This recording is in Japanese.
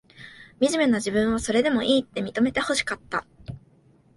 みじめな自分を、それでもいいって、認めてほしかった。